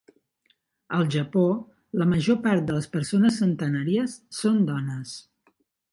Al Japó, la major part de les persones centenàries són dones.